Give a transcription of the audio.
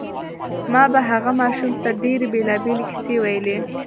ما به هغه ماشوم ته ډېرې بېلابېلې کیسې ویلې